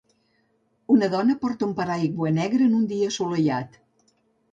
Una dona porta un paraigua negre en un dia assolellat.